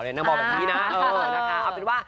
นี่น้องบอกอย่างนี้นะ